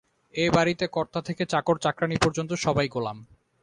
এ বাড়িতে কর্তা থেকে চাকর-চাকরানী পর্যন্ত সবাই গোলাম।